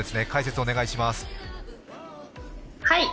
解説お願いします。